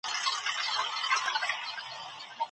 کمپيوټر کانټينر شمېرې.